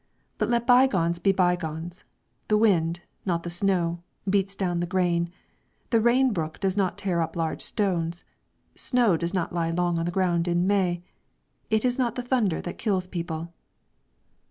But let by gones be by gones; the wind, not the snow, beats down the grain; the rain brook does not tear up large stones; snow does not lie long on the ground in May; it is not the thunder that kills people."